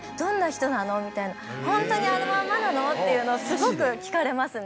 「ホントにあのまんまなの？」っていうのをすごく聞かれますね。